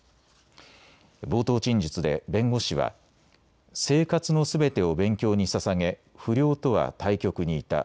冒頭陳述で弁護士は、生活のすべてを勉強にささげ不良とは対極にいた。